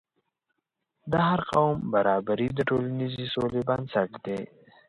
د هر قوم برابري د ټولنیزې سولې بنسټ دی.